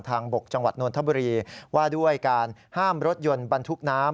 บกจังหวัดนทบุรีว่าด้วยการห้ามรถยนต์บรรทุกน้ำ